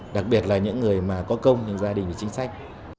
đặc biệt là những người mà có công những gia đình những chính sách